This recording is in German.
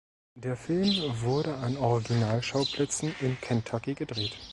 Der Film wurde an Originalschauplätzen in Kentucky gedreht.